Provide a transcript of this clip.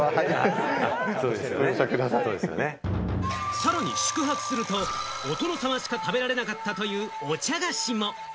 さらに宿泊すると、お殿様しか食べられなかったというお茶菓子も。